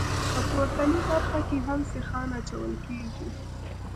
په پورتنۍ برخه کې هم سیخان اچول کیږي